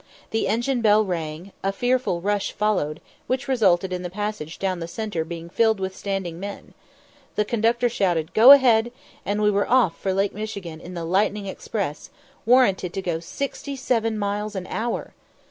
The engine bell rang, a fearful rush followed, which resulted in the passage down the centre being filled with standing men; the conductor shouted "Go a head," and we were off for Lake Michigan in the "Lightning Express," warranted to go sixty seven miles an hour!